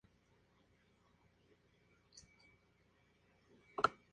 Fue detenido, acusado de vandalismo y ejecutado.